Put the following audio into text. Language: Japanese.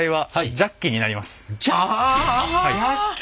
ジャッキ？